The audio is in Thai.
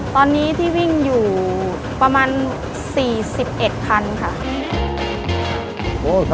ตอนนี้ที่วิ่งอยู่ประมาณ๔๑คันค่ะ